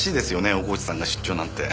大河内さんが出張なんて。